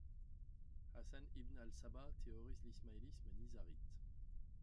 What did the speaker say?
Hassan ibn al-Sabbah théorise l'ismaélisme nizârite.